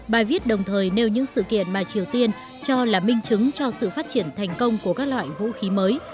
bài viết đồng thời nêu những sự kiện mà triều tiên cho là minh chứng cho sự phát triển thành công của các loại vũ khí mới